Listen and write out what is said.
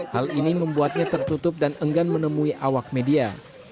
hal ini membuatnya tertutup dan enggan menemui awak media